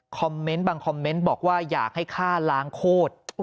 คอมเมนต์บางคอมเมนต์บอกว่าอยากให้ค่าล้างโคตร